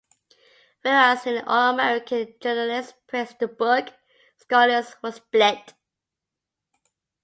Whereas nearly all American journalists praised the book, scholars were split.